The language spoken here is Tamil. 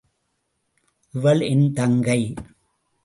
இவள் என் தங்கை.